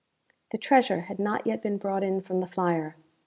The treasure had not yet been brought in from the flyer.